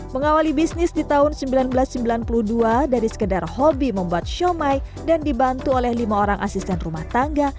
mengawali bisnis di tahun seribu sembilan ratus sembilan puluh dua dari sekedar hobi membuat siomay dan dibantu oleh lima orang asisten rumah tangga